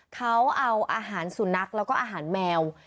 เขาเอาอาหารสุนัขแล้วก็อาหารแมว